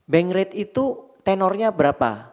bank rate itu tenornya berapa